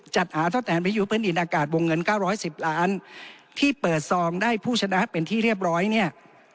จัดหาทศแทนวิทยุเพื่อนอินอากาศวงเงินเก้าร้อยสิบล้านที่เปิดซองได้ผู้ชนะเป็นที่เรียบร้อยเนี่ย